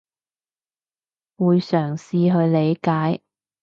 會嘗試去理解